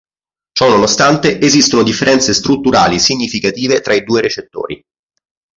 Ciò nonostante esistono differenze strutturali significative tra i due recettori.